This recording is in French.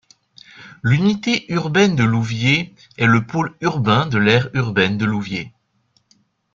L'unité urbaine de Louviers est le pôle urbain de l'aire urbaine de Louviers.